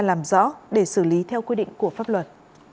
làm rõ để xử lý theo quy định của pháp luật